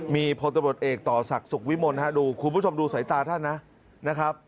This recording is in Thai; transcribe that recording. มีพเอกต่อศักดิ์สุขวิมลคุณผู้ชมดูสายตาท่านนะ